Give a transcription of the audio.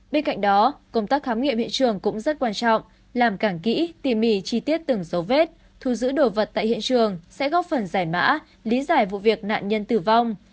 bên cạnh đó công tác khám nghiệm hiện trường cũng rất quan trọng làm càng kỹ tỉ mỉ chi tiết từng dấu vết thu giữ đồ vật tại hiện trường sẽ góp phần giải mã lý giải vụ việc nạn nhân tử vong